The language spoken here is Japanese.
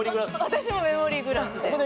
私も『メモリーグラス』で。